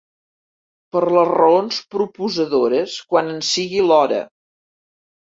Per les raons proposadores quan en sigui l'hora.